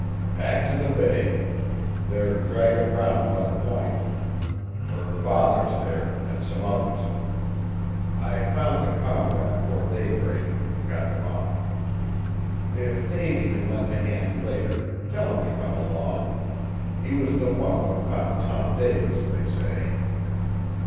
"Back t' the bay. They're draggin' round by the P'int. Her father's there, an' some others. I found the Comrade 'fore daybreak an' got them up. If Davy can lend a hand, later, tell him t' come along; he was the one what found Tom Davis, they say.